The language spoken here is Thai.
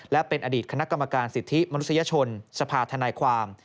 และเป็นอดีตคณะกรรมการสิทธิมนุษยชนสภาธนายความ